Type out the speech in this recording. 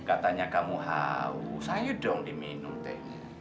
katanya kamu haus saya dong diminum tehnya